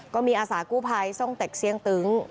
ก็มีอาสากู้ภัยทรงเต็กเสี่ยงตึง